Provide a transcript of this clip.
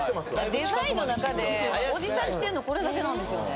デザインの中でおじさんきてんのこれだけなんですよね